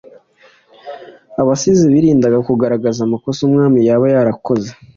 abasizi birindaga kugaragaza amakosa umwami yaba yarakoze